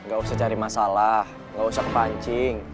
gak usah cari masalah nggak usah kepancing